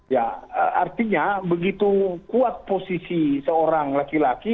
ya artinya begitu kuat posisi seorang laki laki